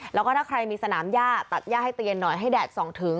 แล้วก็ถ้าใครมีสนามย่าตัดย่าให้เตียนหน่อยให้แดดส่องถึง